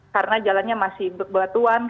karena jalannya masih batuan